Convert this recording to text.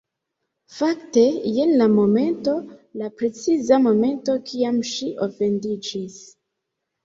Fakte, jen la momento... la preciza momento kiam ŝi ofendiĝis